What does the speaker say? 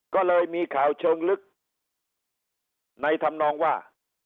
ก็เลยมีข่าวเชิงลึกในธรรมนองว่า